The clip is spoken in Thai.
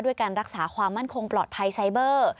การรักษาความมั่นคงปลอดภัยไซเบอร์